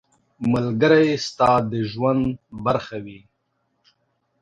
ملګری ستا د ژوند برخه وي.